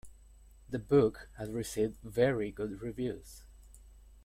The book has received very good reviews.